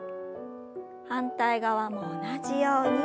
反対側も同じように。